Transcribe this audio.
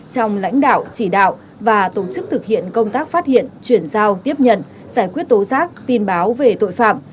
trong lãnh đạo chỉ đạo và tổ chức thực hiện công tác phát hiện chuyển giao tiếp nhận giải quyết tố giác tin báo về tội phạm